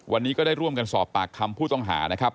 วันนี้ก็ได้ร่วมกันสอบปากคำผู้ต้องหานะครับ